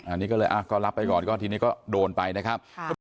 อันนี้ก็เลยก็รับไปก่อนก็ทีนี้ก็โดนไปนะครับ